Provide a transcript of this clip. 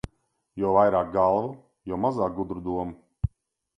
Jo vairāk galvu, jo mazāk gudru domu.